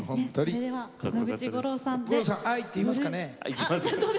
五郎さんあーい！って言いますかね。